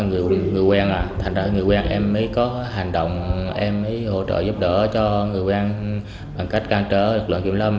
người quen à thành ra người quen em mới có hành động em mới hỗ trợ giúp đỡ cho người quen bằng cách can trở lực lượng kiểm lâm